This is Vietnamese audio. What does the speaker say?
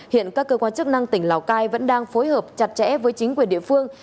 hiện các cơ quan chức năng tỉnh lào cai vẫn đang phối hợp chặt chẽ với chính quyền địa phương